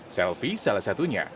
selfie salah satunya